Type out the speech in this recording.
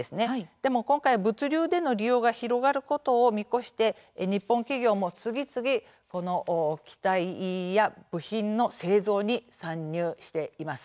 でも、今回、物流での利用が広がることを見越して日本企業も次々、この機体や部品の製造に参入しています。